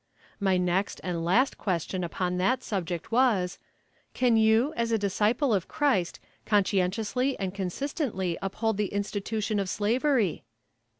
My next and last question upon that subject was "Can you, as a disciple of Christ, conscientiously and consistently uphold the institution of Slavery?"